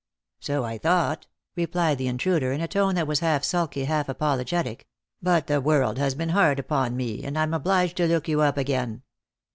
" So I thought," replied the intruder, in a tone that was half sulky, half apologetic ;" but the world has been hard upon ine and I'm obliged to look you up again."